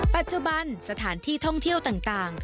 ปัจจุบันสถานที่ท่องเที่ยวต่าง